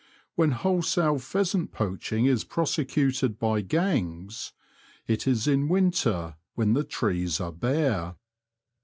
When wholesale pheasant poaching is prosecuted by gangs, it is in winter, when the trees are bare.